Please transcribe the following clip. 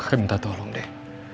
kaka minta tolong dek